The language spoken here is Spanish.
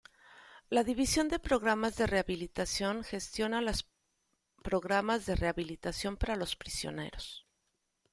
La División de Programas de Rehabilitación gestiona las programas de rehabilitación para los prisioneros.